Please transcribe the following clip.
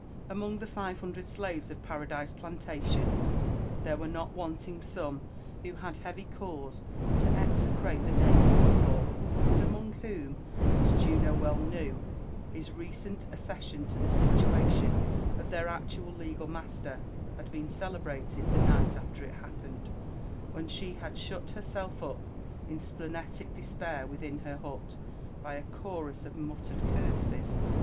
Among the five hundred slaves of Paradisef Plantatioti, l!here if^r^ncd wanting some who bad heavy dadse to etecrate the nafue of Whitla^, and among whom, as luno well knew, his recent accefssioh to the si tuation of their actual legal master had been cdeirated the night aftet it happened '^ ^when she had shut herself up in spledetic despair within herhul — ^by a chorus of muttered curses.